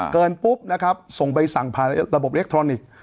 ปุ๊บนะครับส่งใบสั่งผ่านระบบอิเล็กทรอนิกส์